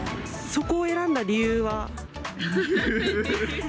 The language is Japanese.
そこを選んだ理由は？